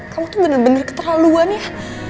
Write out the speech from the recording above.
kamu tuh bener bener keterlaluan ya